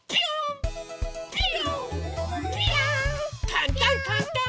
かんたんかんたん！